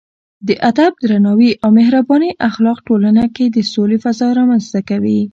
د ادب، درناوي او مهربانۍ اخلاق ټولنه کې د سولې فضا رامنځته کوي.